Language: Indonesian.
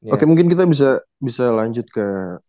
oke mungkin kita bisa lanjut ke